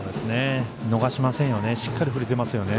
逃しませんよね